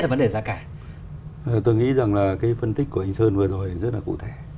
tôi nghĩ rằng phân tích của anh sơn vừa rồi rất cụ thể